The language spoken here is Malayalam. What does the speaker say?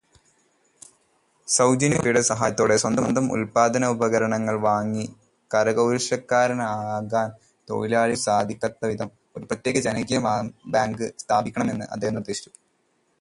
സൗജന്യവായ്പയുടെ സഹായത്തോടെ സ്വന്തം ഉൽപാദനോപകരണങ്ങൾ വാങ്ങി കരകൗശലക്കാരാകാൻ തൊഴിലാളികൾക്കു് സാധിക്കത്തക്കവണ്ണം ഒരു പ്രത്യേക ജനകീയബാങ്ക് സ്ഥാപിക്കണമെന്നു് അദ്ദേഹം നിർദ്ദേശിച്ചു.